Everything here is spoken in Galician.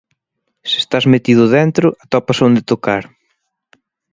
Se estás metido dentro, atopas onde tocar.